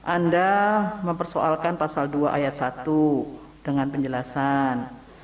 anda mempersoalkan pasal dua ayat satu dengan penjelasan